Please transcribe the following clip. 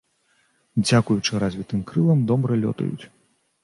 Дзякуючы развітым крылам добра лётаюць.